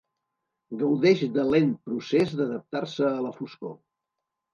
Gaudeix del lent procés d'adaptar-se a la foscor.